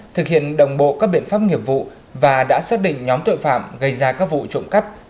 thực hiện đồng bộ các biện pháp nghiệp vụ và đã xác định nhóm tội phạm gây ra các vụ trộm cắp